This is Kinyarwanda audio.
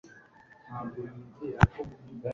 ariko ntakintu cyabaye nuko akanda indi buto